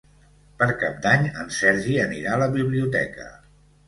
Per Cap d'Any en Sergi anirà a la biblioteca.